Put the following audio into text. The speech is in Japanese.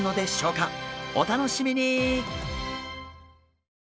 お楽しみに！